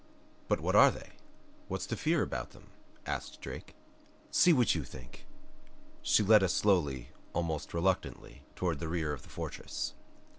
"But what are they? What's to fear about them?" asked Drake. "See what you think!" She led us slowly, almost reluctantly toward the rear of the fortress.